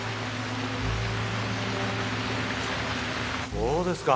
そうですか。